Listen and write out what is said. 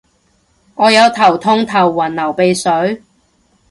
我有頭痛頭暈流鼻水